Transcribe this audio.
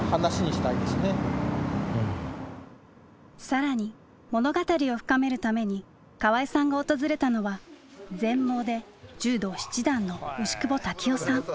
更に物語を深めるために河合さんが訪れたのは全盲で柔道七段の牛窪多喜男さん。